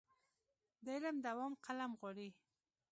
د علم دوام قلم غواړي.